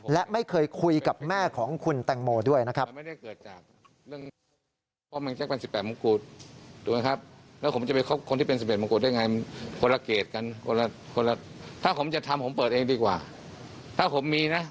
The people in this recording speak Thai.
และไม่เคยคุยกับแม่ของคุณแตงโมด้วยนะครับ